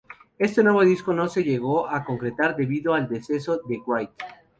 Este nuevo disco no se llegó a concretar debido al deceso de Wright.